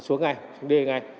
xuống ngay xuống đi ngay